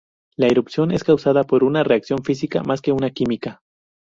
La erupción es causada por una reacción física, más que una química.